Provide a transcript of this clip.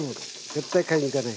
絶対買いに行かない。